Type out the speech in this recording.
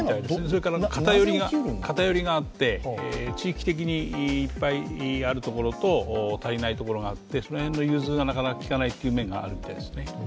それから偏りがあって地域的にいっぱいあるところと足りないところがあってその辺の融通が利かない面があるようですね。